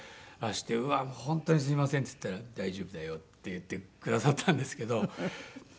「うわ本当にすみません」って言ったら「大丈夫だよ」って言ってくださったんですけど。